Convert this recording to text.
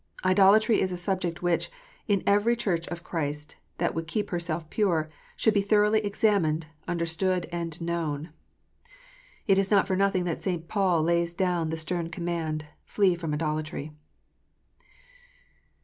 Idolatry is a subject which, in every Church of Christ that would keep herself pure, should be thoroughly examined, understood, and known. It is not for nothing that St. Paul lays down the stern command, "Flee from idolatry."